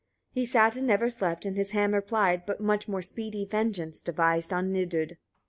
He sat and never slept, and his hammer plied; but much more speedy vengeance devised on Nidud.